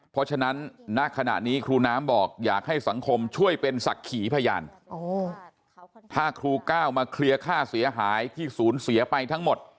เพราะฉะนั้นณขณะนี้ครูน้ำบอกอยากให้สังคมช่วยเป็นศักดิ์ขีพยานถ้าครูก้าวมาเคลียร์ค่าเสียหายที่ศูนย์เสียไปทั้งหมด